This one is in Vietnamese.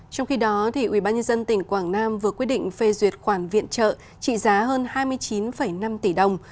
trong khi đó ubnd tỉnh quảng nam vừa quyết định phê duyệt khoản viện trợ trị giá hơn hai mươi chín năm tỷ đồng